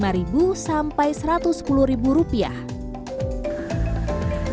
nah dari sini kita bisa lihat ini adalah tempat yang sangat menarik